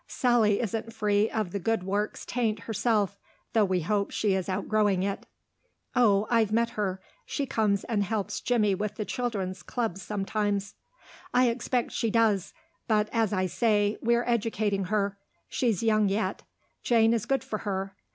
Sally isn't free of the good works taint herself, though we hope she is outgrowing it." "Oh, I've met her. She comes and helps Jimmy with the children's clubs sometimes." "I expect she does. But, as I say, we're educating her. She's young yet.... Jane is good for her.